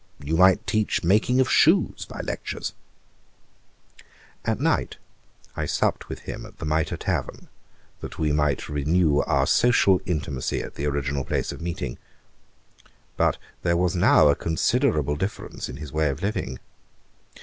You might teach making of shoes by lectures!' At night I supped with him at the Mitre tavern, that we might renew our social intimacy at the original place of meeting. But there was now a considerable difference in his way of living.